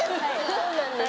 そうなんですよ